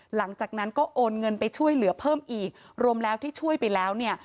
หลังจากนั้นก็โอนเงินไปช่วยเหลือเพิ่มอีกรวมแล้วที่ช่วยไปแล้วเนี่ย